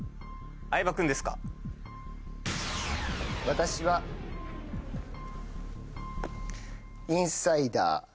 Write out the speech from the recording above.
私はインサイダー。